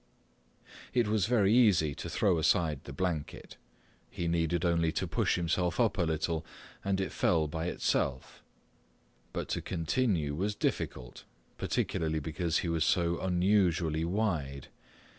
It was very easy to throw aside the blanket. He needed only to push himself up a little, and it fell by itself. But to continue was difficult, particularly because he was so unusually wide.